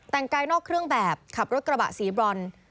แต่งกายนอกเครื่องแบบขับรถกระบะสีบรอน